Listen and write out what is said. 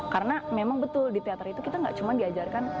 karena memang betul di teater itu kita tidak cuma diajarkan